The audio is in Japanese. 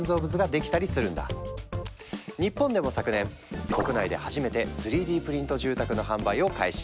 日本でも昨年国内で初めて３Ｄプリント住宅の販売を開始。